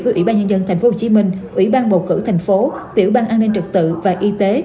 của ủy ban nhân dân tp hcm ủy ban bầu cử thành phố tiểu ban an ninh trực tự và y tế